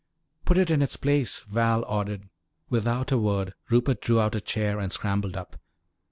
"Put it in its place," Val ordered. Without a word, Rupert drew out a chair and scrambled up.